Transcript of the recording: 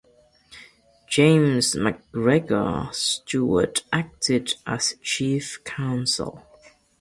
James McGregor Stewart acted as chief counsel.